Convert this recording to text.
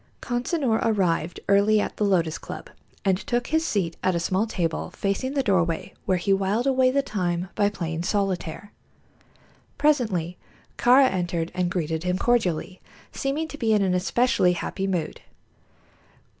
Consinor arrived early at the Lotus Club and took his seat at a small table facing the doorway, where he whiled away the time by playing solitaire. Presently Kāra entered and greeted him cordially, seeming to be in an especially happy mood.